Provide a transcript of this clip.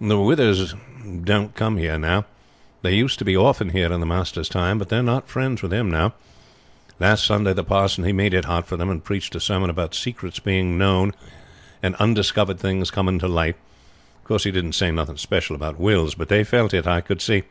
The Withers don't come here now. They used to be often here in the master's time, but they are not friends with them now. Last Sunday the parson he made it hot for them, and preached a sermon about secrets being known and undiscovered things coming to light. Of course he didn't say nothing special about wills, but they felt it, I could see.